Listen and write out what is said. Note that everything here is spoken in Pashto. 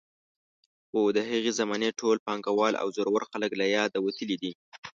خو د هغې زمانې ټول پانګوال او زورور خلک له یاده وتلي دي.